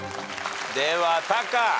ではタカ。